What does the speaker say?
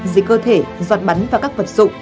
dịch cơ thể giọt bắn và các vật dụng